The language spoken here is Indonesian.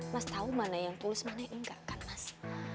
mas tahu mana yang tulus mana yang enggak kan mas